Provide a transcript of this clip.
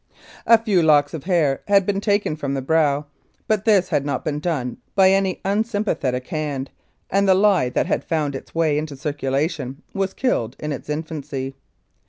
A few locks of hair had been taken from the brow, but this had not been done by any unsympathetic hand, and the lie that had found its way into circulation was killed in its infancy.